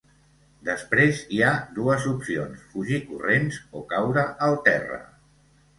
Després, hi ha dues opcions: fugir corrents o caure al terra.